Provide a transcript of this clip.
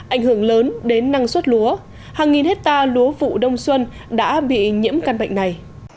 ảnh hưởng lớn đến năng suất lúa hàng nghìn hecta lúa vụ đông xuân đã bị nhiễm căn bệnh này